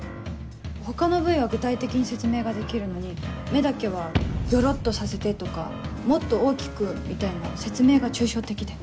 他の部位は具体的に説明ができるのに目だけは「ギョロっとさせて」とか「もっと大きく」みたいな説明が抽象的で。